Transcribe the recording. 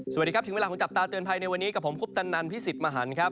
สวัสดีครับถึงเวลาของจับตาเตือนภัยในวันนี้กับผมคุปตันนันพิสิทธิ์มหันครับ